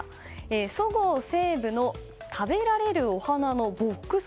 そごう・西武の食べられるお花のボックス